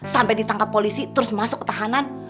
sampe ditangkap polisi terus masuk ketahanan